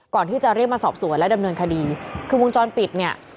ก่อนที่จะเรียกมาสอบสวนและดำเนินคดีคือวงจรปิดเนี่ย